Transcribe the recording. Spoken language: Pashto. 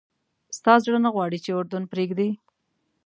ستا زړه نه غواړي چې اردن پرېږدې.